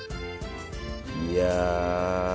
いや。